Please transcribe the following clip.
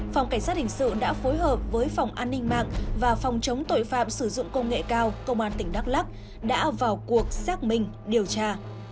phòng cảnh sát hình sự đã phối hợp với phòng an ninh mạng và phòng chống tội phạm sử dụng công nghệ cao công an tỉnh đắk lắc đã vào cuộc xác minh điều tra